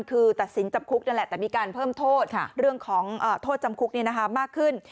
คือตัดสินจำคุกนั่นแหละแต่มีการเพิ่มโทษเรื่องของโทษจำคุกมากขึ้น